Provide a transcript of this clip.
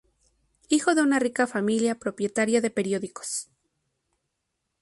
Hijo de una rica familia propietaria de periódicos.